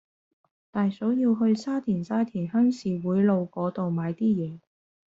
大嫂要去沙田沙田鄉事會路嗰度買啲嘢